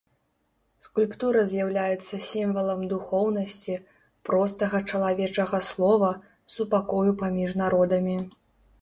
Скульптура з'яўляецца сімвалам духоўнасці, простага чалавечага слова, супакою паміж народамі.